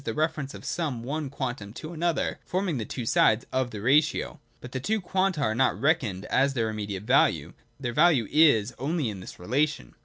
the reference of some one quantum to another, forming the two sides of the ratio. But the two quanta are not reckoned at their immediate value : their value is only in this relation.